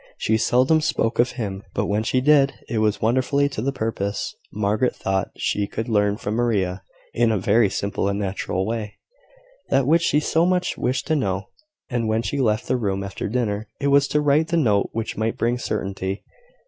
She seldom spoke of him; but when she did, it was wonderfully to the purpose. Margaret thought she could learn from Maria, in a very simple and natural way, that which she so much wished to know: and when she left the room after dinner, it was to write the note which might bring certainty.